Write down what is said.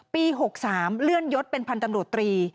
๖๓เลื่อนยศเป็นพันธ์ตำรวจตรี